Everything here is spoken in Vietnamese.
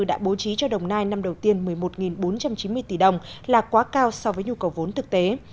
đã bố trí cho đồng nai năm đầu tiên một mươi một bốn trăm chín mươi tỷ đồng là quá cao so với nhu cầu vốn thực tế